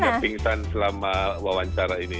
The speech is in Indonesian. saya sudah pingsan selama wawancara ini